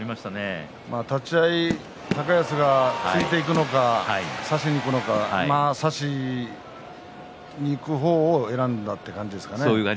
立ち合い高安が突いていくのか差しにいくのか差しにいく方を選んだという感じですかね。